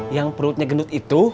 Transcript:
yang perutnya gendut itu